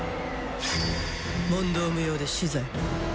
問答無用で死罪。